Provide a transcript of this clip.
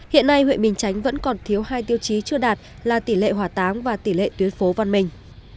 hiện nay huyện bình chánh vẫn còn thiếu hai tiêu chí chưa đạt là tỷ lệ hỏa táng và tỷ lệ tuyến phố văn minh